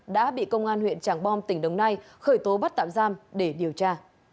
đã bị công an huyện tràng bom tỉnh đồng nai khởi tố bắt tạm giam để điều tra